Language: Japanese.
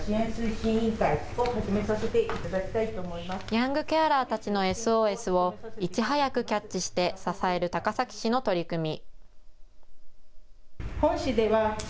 ヤングケアラーたちのＳＯＳをいち早くキャッチして支える高崎市の取り組み。